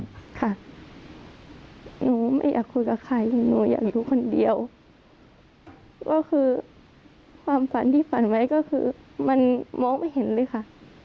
หนูไม่อยากคุยกับใครหนูอยากอยู่คนเดียวก็คือความฝันที่ฝันไว้ก็คือมันมองไม่เห็นเลยค่ะ